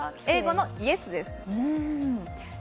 英語のイエスです。